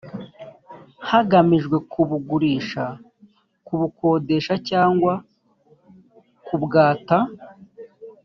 hagamijwe kubugurisha kubukodesha cyangwa kubwata